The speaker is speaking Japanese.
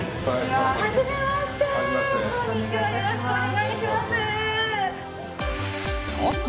よろしくお願いします。